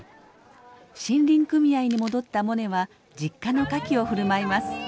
森林組合に戻ったモネは実家のカキを振る舞います。